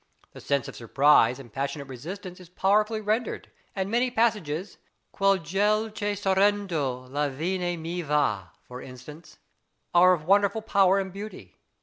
The sense of surprise and passionate resistance is powerfully rendered, and many passages "Quel gel che scorrendo le vene mi và," for instance are of wonderful power and beauty.